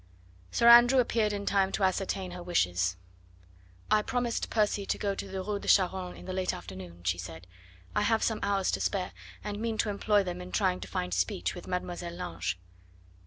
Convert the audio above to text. Sir Andrew appeared in time to ascertain her wishes. "I promised Percy to go to the Rue de Charonne in the late afternoon," she said. "I have some hours to spare, and mean to employ them in trying to find speech with Mademoiselle Lange."